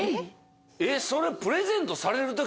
それプレゼントされる時。